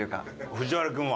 藤原君は？